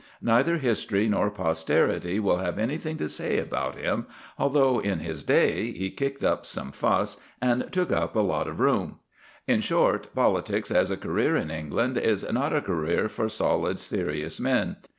Neither history nor posterity will have anything to say about him, though in his day he kicked up some fuss and took up a lot of room. In short, politics as a career in England is not a career for solid, serious men.